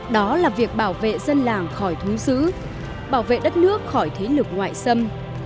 đó là việc bảo vệ dân làng khỏi thú sử bảo vệ đất nước khỏi thế lực ngoại xâm